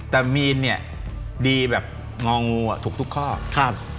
แต่มีนเนี่ยดีแบบงองูอ่ะถูกทุกข้อครับ